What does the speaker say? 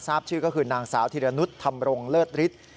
ทราบชื่อก็คือนางสาวธิรนุษย์ธรรมรงเลิศฤทธิ์